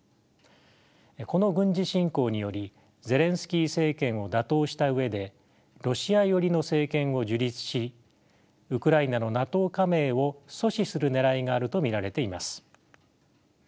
この軍事侵攻によりゼレンスキー政権を打倒した上でロシア寄りの政権を樹立しウクライナのＮＡＴＯ加盟を阻止するねらいがあると見られています。